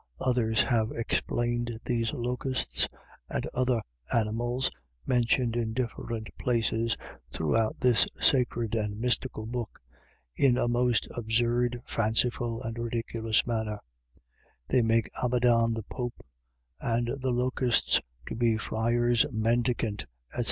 Others have explained these locusts, and other animals, mentioned in different places throughout this sacred and mystical book, in a most absurd, fanciful, and ridiculous manner; they make Abaddon the Pope, and the locusts to be friars mendicant, etc.